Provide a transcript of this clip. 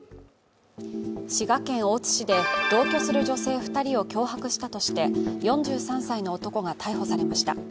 滋賀県大津市で同居する女性２人を脅迫したとして４３歳の男が逮捕されました。